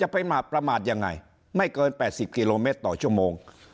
ไปประมาทยังไงไม่เกิน๘๐กิโลเมตรต่อชั่วโมง